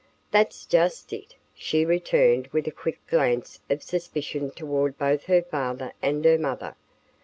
"That's just it," she returned with a quick glance of suspicion toward both her father and her mother.